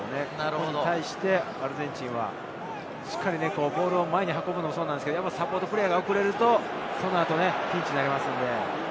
それに対してアルゼンチンはボールを前に運ぶのもそうなんですが、サポートが遅れると、その後、ピンチになります。